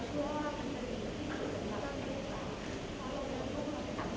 สวัสดีครับสวัสดีครับ